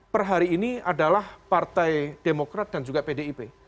per hari ini adalah partai demokrat dan juga pdip